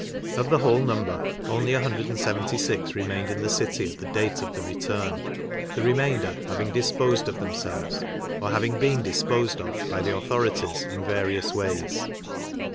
Of the whole number only 176 remained in the city at the date of the return, the remainder having disposed of themselves, or having been disposed of by the autho rities, in various ways.